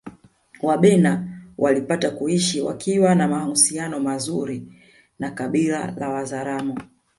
Wabena walipata kuishi wakiwa na mahusiano mazuri na kabila la Wazaramo